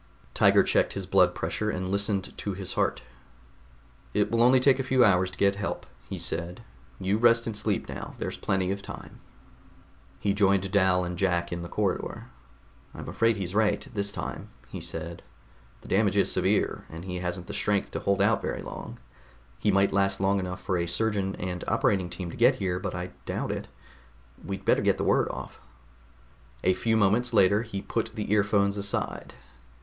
Tiger checked his blood pressure and listened to his heart. "It will only take a few hours to get help," he said. "You rest and sleep now. There's plenty of time." He joined Dal and Jack in the corridor. "I'm afraid he's right, this time," he said. "The damage is severe, and he hasn't the strength to hold out very long. He might last long enough for a surgeon and operating team to get here, but I doubt it. We'd better get the word off." A few moments later he put the earphones aside.